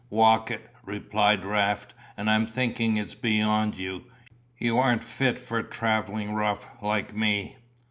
"Walk it," replied Raft, "and I'm thinking it's beyond you, you aren't fit for travelling rough, like me."